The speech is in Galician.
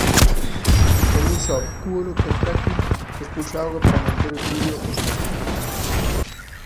Ten un só vacúolo contráctil que expulsa auga para manter o equilibrio osmótico.